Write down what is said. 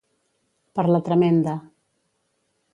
Per la tremenda.